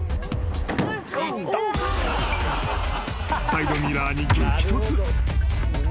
［サイドミラーに］